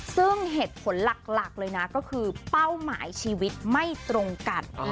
ซึ่งเหตุผลหลักเลยนะก็คือเป้าหมายชีวิตไม่ตรงกัน